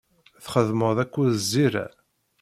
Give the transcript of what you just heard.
Txeddmeḍ akked Zira.